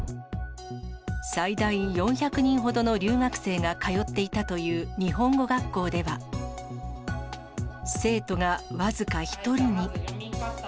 最大４００人ほどの留学生が通っていたという日本語学校では、生徒が僅か１人に。